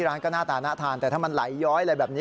แล้วก็ปิดฝามาให้ดี